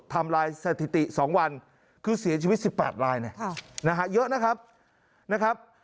ทำลายสถิติ๒วันคือเสียชีวิต๑๘รายนะครับเยอะนะครับ